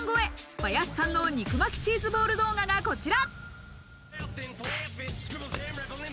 バヤシさんの肉巻きチーズボール動画がこちら。